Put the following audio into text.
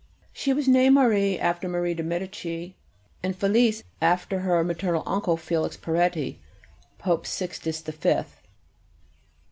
She was named Marie after Marie de Medicis, and Félice after her maternal uncle Félix Peretti (Pope Sixtus the Fifth).